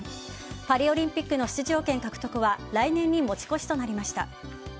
パリオリンピックの出場権獲得は来年に持ち越しとなりました。